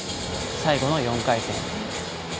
最後の４回転。